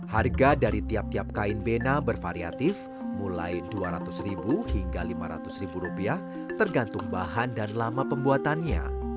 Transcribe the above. harga dari tiap tiap kain bena bervariatif mulai dua ratus ribu hingga lima ratus ribu rupiah tergantung bahan dan lama pembuatannya